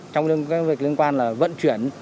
trong cái việc liên quan là vận chuyển